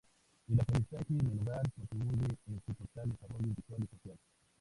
El aprendizaje en el hogar contribuye en su total desarrollo intelectual y social.